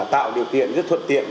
tạo điều kiện rất thuận tiện